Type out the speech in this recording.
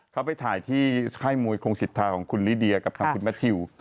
เขาไปถ่ายที่ไข้มวยโครงศิษฐาของคุณลิเดียกับคุณแมททิว